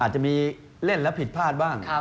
อาจจะมีเล่นแล้วผิดพลาดบ้าง